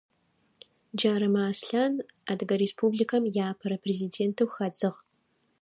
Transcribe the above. Джарымэ Аслъан Адыгэ Республикэм иапэрэ президентэу хадзыгъ.